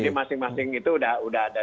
jadi masing masing itu sudah ada